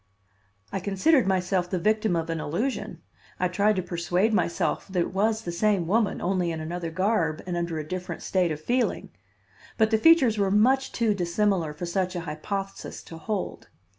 I considered myself the victim of an illusion; I tried to persuade myself that it was the same woman, only in another garb and under a different state of feeling; but the features were much too dissimilar for such an hypothesis to hold.